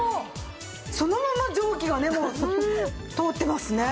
そのまま蒸気がね通ってますね。